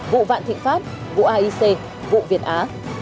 vụ vạn thịnh pháp vụ aic vụ việt á